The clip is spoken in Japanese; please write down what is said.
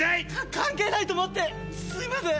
関係ないと思ってすいません。